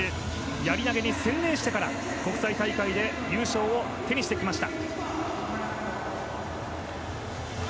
やり投げに専念してから国際大会で入賞を手にしてきました。